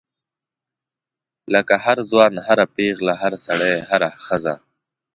لکه هر ځوان هر پیغله هر سړی هره ښځه.